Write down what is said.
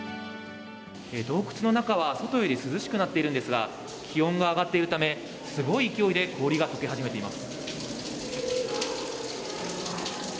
洞窟の中は外より涼しくなっているんですが、気温が上がっているため、すごい勢いで氷がとけ始めています。